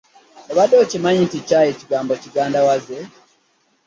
Obade okimanyi nti Chaayi kigambo kigandawaze?